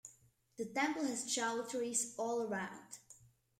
The Temple has choultries all around.